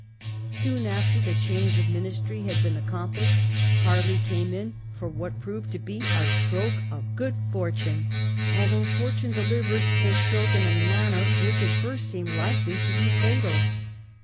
Soon after the change of ministry had been accom plished, Harley came in for what proved to be a stroke of good fortune, although fortune delivered the stroke in a manner which at first seemed likely to be fatal.